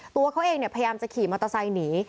ตัวเขาเองพยายามจะขี่มอเตอร์ไซค์หนี